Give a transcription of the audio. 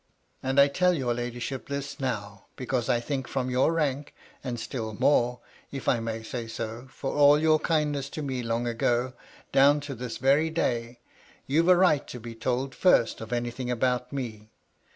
And I tell your ladyship this now, because I think fix)m your rank— and still more, if I may say so, for all your kindness to me long ago, down to this very day — you've a right to be first told of anything about me.